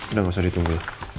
udah gak usah ditunggu